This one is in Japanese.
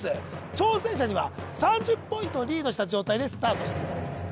挑戦者には３０ポイントリードした状態でスタートしていただきます